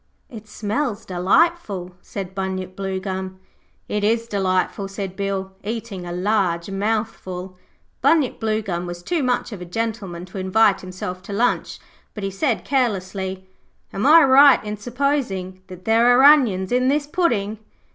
'It smells delightful,' said Bunyip Bluegum. 'It is delightful,' said Bill, eating a large mouthful. Bunyip Bluegum was too much of a gentleman to invite himself to lunch, but he said carelessly, 'Am I right in supposing that there are onions in this pudding?'